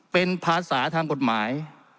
เป็นภาษาทางกฎหมาย